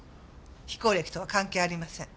非行歴とは関係ありません。